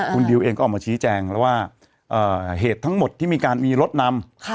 คุณดิวเองก็ออกมาชี้แจงแล้วว่าเหตุทั้งหมดที่มีการมีรถนำ